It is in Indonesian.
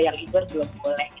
yang indoor belum boleh